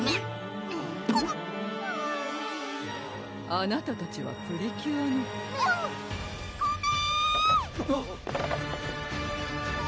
あなたたちはプリキュアの・コメ！